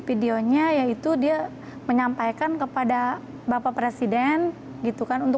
videonya yaitu dia menyampaikan kepada bapak presiden gitu kan untuk